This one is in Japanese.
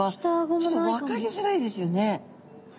ちょっと分かりづらいですよね。